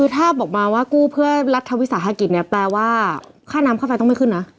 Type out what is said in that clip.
ถ้าบอกมาว่ากู้เพื่อรัฐวิสาหกิจเนี่ยแปลว่าค่าน้ำค่าไฟต้องไม่ขึ้นนะ